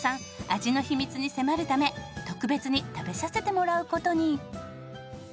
味の秘密に迫るため特別に食べさせてもらう事に。